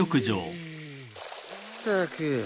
ったく。